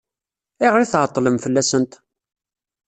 Ayɣer i tɛeṭṭlem fell-asent?